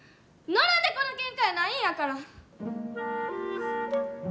野良猫のケンカやないんやから！